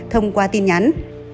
thông qua tin nhắn